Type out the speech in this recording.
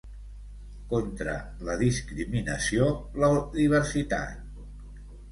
Contra la discriminació, la diversitat.